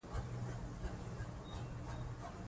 د قانون حاکمیت د ټولنې د نظم تضمین دی